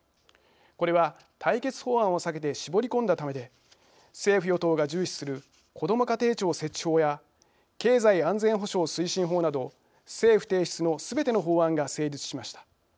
これは対決法案を避けて絞り込んだためで政府・与党が重視する「こども家庭庁」設置法や経済安全保障推進法など政府提出のすべての法案が成立しました。